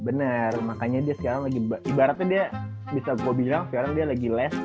bener makanya dia sekarang lagi ibaratnya dia bisa mau bilang sekarang dia lagi less